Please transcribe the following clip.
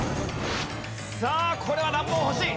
さあこれは難問欲しい！